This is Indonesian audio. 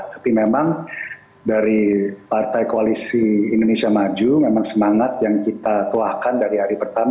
tapi memang dari partai koalisi indonesia maju memang semangat yang kita tuahkan dari hari pertama